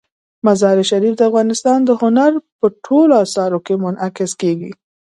مزارشریف د افغانستان د هنر په ټولو اثارو کې منعکس کېږي.